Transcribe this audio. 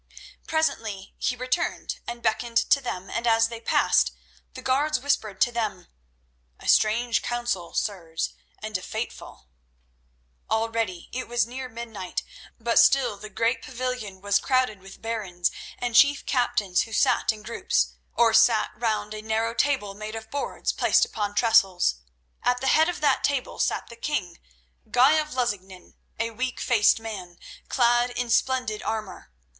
Presently he returned and beckoned to them, and as they passed, the guards whispered to them: "A strange council, sirs, and a fateful!" Already it was near midnight, but still the great pavilion was crowded with barons and chief captains who sat in groups, or sat round a narrow table made of boards placed upon trestles. At the head of that table sat the king, Guy of Lusignan, a weak faced man, clad in splendid armour.